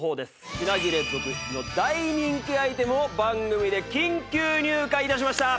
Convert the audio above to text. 品切れ続出の大人気アイテムを番組で緊急入荷致しました！